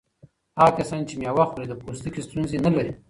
هغه کسان چې مېوه خوري د پوستکي ستونزې نه لري.